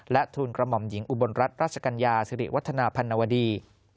และทูลกระหม่อมหญิงอุบลรัฐราชกัญญาสิริวัฒนาพันวดี